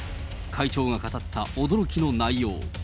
会長が語った驚きの内容。